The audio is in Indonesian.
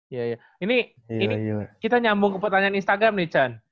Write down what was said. iya ya ini kita nyambung ke pertanyaan instagram nih chan